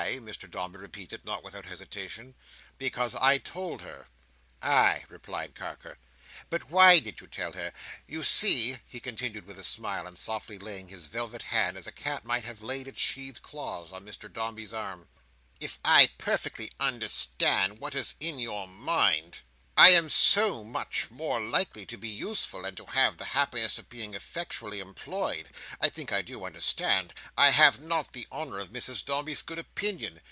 "Why!" Mr Dombey repeated, not without hesitation. "Because I told her." "Ay," replied Carker. "But why did you tell her? You see," he continued with a smile, and softly laying his velvet hand, as a cat might have laid its sheathed claws, on Mr Dombey's arm; "if I perfectly understand what is in your mind, I am so much more likely to be useful, and to have the happiness of being effectually employed. I think I do understand. I have not the honour of Mrs Dombey's good opinion.